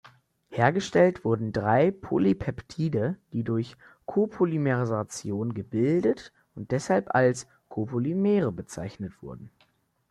Hergestellt wurden drei Polypeptide, die durch Copolymerisation gebildet und deshalb als Copolymere bezeichnet wurden.